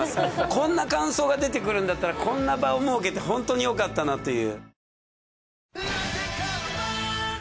こんな感想が出てくるんだったらこんな場を設けて本当によかったなという。